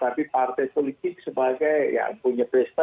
tapi partai politik sebagai yang punya pesta